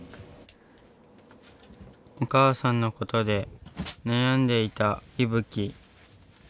お母さんのことで悩んでいたいぶき。